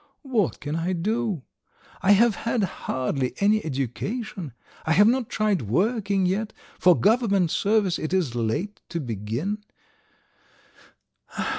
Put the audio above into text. What can I do? I have had hardly any education; I have not tried working yet; for government service it is late to begin